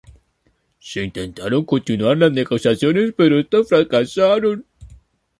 Se intentaron continuar las negociaciones pero estas fracasaron.